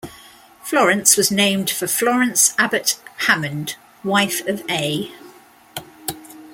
Florence was named for Florence Abbott Hammond, wife of A.